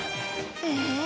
ええ。